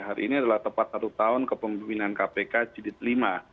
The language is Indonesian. hari ini adalah tepat satu tahun kepemimpinan kpk jidit v